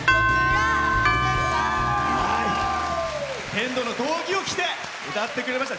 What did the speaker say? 剣道の道着を着て歌ってくれました。